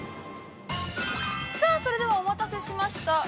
◆さあ、それではお待たせしました。